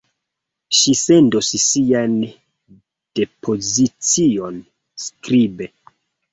Ŝi sendos siajn depoziciojn skribe.